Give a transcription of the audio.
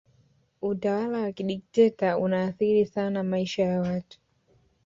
utawala wa kidikiteta unaathiri sana maisha ya watu